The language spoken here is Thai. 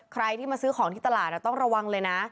ใครที่มาซื้อของที่ตลาดต้องระวังเลยนะ